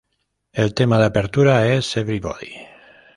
El tema de apertura es "Everybody!